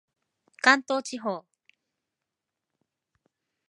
関東地方